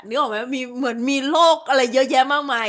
นึกออกไหมมีเหมือนมีโรคอะไรเยอะแยะมากมาย